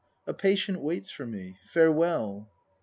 A patient waits for me. Farewell.